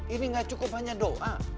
ini gak cukup hanya doa